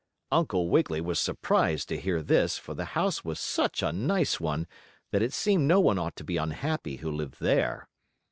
Uncle Wiggily was surprised to hear this, for the house was such a nice one that it seemed no one ought to be unhappy who lived there.